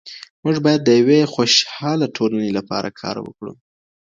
موږ بايد د يوې خوشحاله ټولني لپاره کار وکړو.